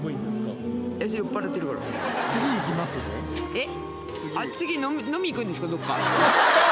えっ？